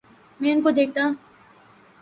میں ان کو دیکھتا